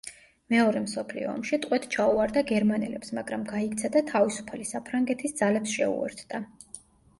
მეორე მსოფლიო ომში ტყვედ ჩაუვარდა გერმანელებს, მაგრამ გაიქცა და თავისუფალი საფრანგეთის ძალებს შეუერთდა.